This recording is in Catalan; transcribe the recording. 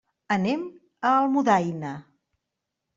Anem a Almudaina.